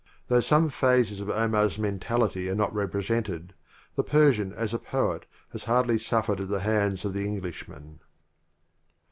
Though some phases of Omar s mentality are not represented, the Persian as a poet has hardly suffered at the hands of the Englishman.